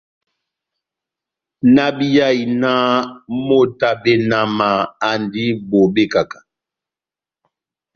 Náhábíyahi náh moto wa benama andi bobé kahá-kahá.